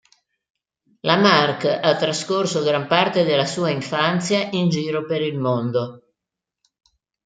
La Marc ha trascorso gran parte della sua infanzia in giro per il mondo.